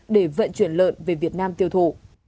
để vận chuyển lợn về việt nam tiêu thụ